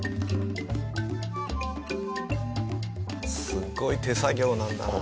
すごい手作業なんだな。